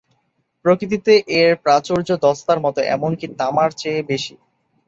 প্রকৃতিতে এর প্রাচুর্য দস্তার মত, এমনকী তামার চেয়ে বেশি।